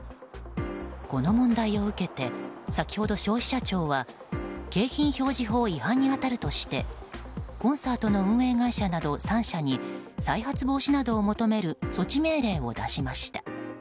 この問題を受けて先ほど消費者庁は景品表示法違反に当たるとしてコンサートの運営会社など３社に再発防止などを求める措置命令を出しました。